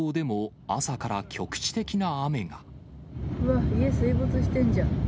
うわ、家、水没してんじゃん。